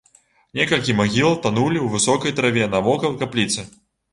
Некалькі магіл танулі ў высокай траве навокал капліцы.